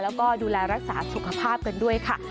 แล้วก็ดูแลรักษาสุขภาพกันด้วยค่ะ